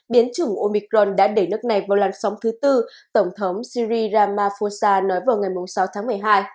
biến chủng omicron đã để nước này vào lăn sóng thứ tư tổng thống siri ramaphosa nói vào ngày sáu tháng một mươi hai